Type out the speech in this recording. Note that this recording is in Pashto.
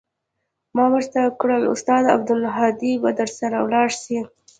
ما ورته كړه استاده عبدالهادي به درسره ولاړ سي.